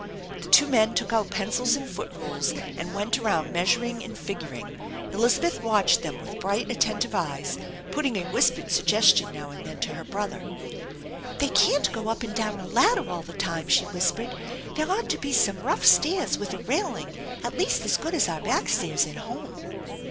The tvo men took out pencils and foot rules, and went around measuring and figuring. Elizabeth watched them with bright, attentive eyes, putting a whispered suggestion now and then to her brother. " They can't go up and down a ladder all the time," she whispered. "There ought to be some rough stairs with a railing, at least as good as our back stairs at home."